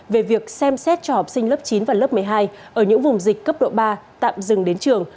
về việc xem xét cho học sinh lớp chín và lớp một mươi hai ở những vùng dịch cấp độ ba tạm dừng đến trường